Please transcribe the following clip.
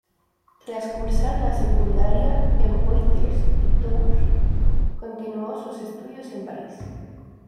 Tras cursar la secundaria en Poitiers y Tours continuó sus estudios en París.